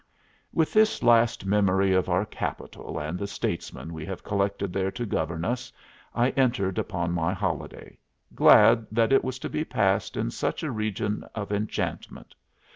With this last memory of our Capitol and the statesmen we have collected there to govern us, I entered upon my holiday, glad that it was to be passed in such a region of enchantment.